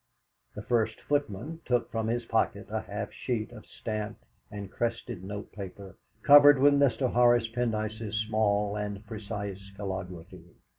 The first footman took from his pocket a half sheet of stamped and crested notepaper covered with Mr. Horace Pendyce's small and precise calligraphy.